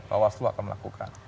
bawaslu akan melakukan